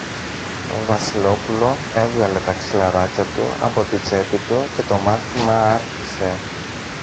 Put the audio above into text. Το Βασιλόπουλο έβγαλε τα ξυλαράκια από την τσέπη του και το μάθημα άρχισε.